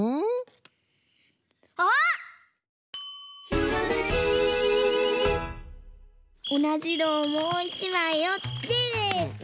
「ひらめき」おなじのをもう１まいおって。